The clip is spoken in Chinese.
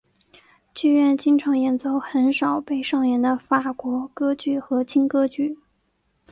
剧院经常演奏很少被上演的法国歌剧和轻歌剧。